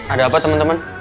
ada apa temen temen